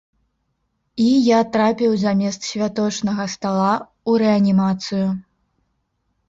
І я трапіў замест святочнага стала ў рэанімацыю.